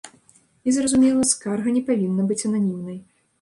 І, зразумела, скарга не павінна быць ананімнай.